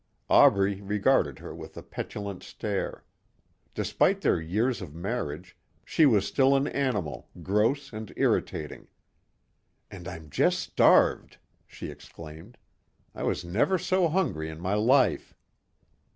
Aubrey regarded her with a petulant stare. Despite their years of marriage, she was still an animal, gross and irritating. "And I'm just starved," she exclaimed. "I was never so hungry in my life."